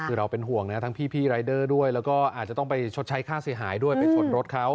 คือเราเป็นห่วงนะทั้งพี่รายเดอร์ด้วยแล้วก็อาจจะต้องไปชดใช้ค่าเสียหายด้วยไปชนรถเขา